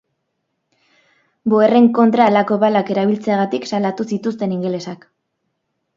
Boerren kontra halako balak erabiltzeagatik salatu zituzten ingelesak.